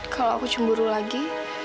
kalau aku cemburu lagi